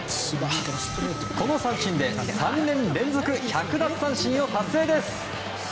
この三振で、３年連続１００奪三振を達成です。